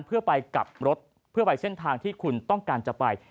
เพื่อไปกลับรถเพื่อไปเส้นทางที่คุณต้องการจะไป